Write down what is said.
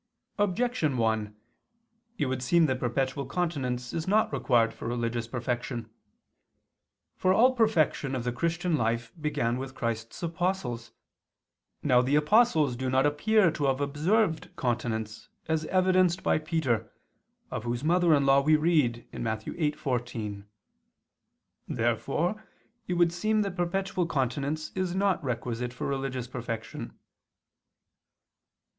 Objection 1: It would seem that perpetual continence is not required for religious perfection. For all perfection of the Christian life began with Christ's apostles. Now the apostles do not appear to have observed continence, as evidenced by Peter, of whose mother in law we read Matt. 8:14. Therefore it would seem that perpetual continence is not requisite for religious perfection.